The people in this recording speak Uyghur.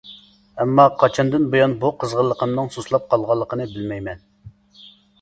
ئەمما قاچاندىن بۇيان بۇ قىزغىنلىقىمنىڭ سۇسلاپ قالغىنىنى بىلمەيمەن.